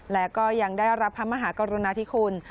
และก็ยังได้รับพระมหากรุณาธิคุณ